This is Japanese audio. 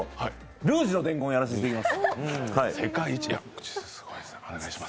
「ルージュの伝言」やらせていただきます。